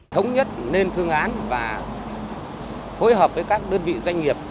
thống nhất nên phương án và phối hợp với các đơn vị doanh nghiệp